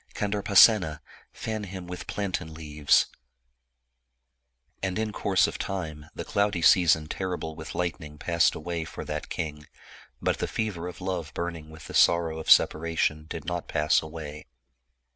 Kandarpasena, fan him with plantain leaves !" And in course of time the cloudy season terrible with lightning passed away for that king, but the fever of love burning with the sorrow of separation did not pass away.